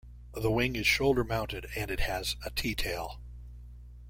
The wing is shoulder mounted and it has a T-tail.